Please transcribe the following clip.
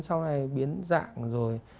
sau này biến dạng rồi